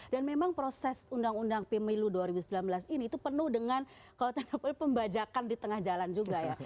dan memang proses undang undang pemilu dua ribu sembilan belas ini itu penuh dengan kalau tidak pula pembajakan di tengah jalan juga